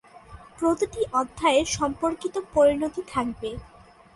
প্রতিটি অধ্যায়ের সম্পর্কিত পরিণতি থাকবে।